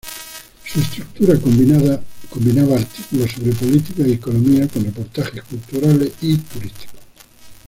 Su estructura combinaba artículos sobre política y economía con reportajes culturales y turísticos.